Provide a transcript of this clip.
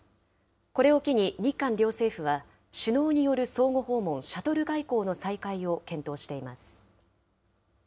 これを機に、日韓両政府は首脳による相互訪問、シャトル外交の再開を検討しています。